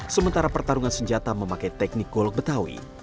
sementara pertarungan senjata memakai teknik golok betawi